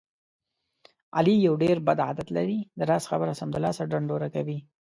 علي یو ډېر بد عادت لري. د راز خبره سمدلاسه ډنډوره کوي.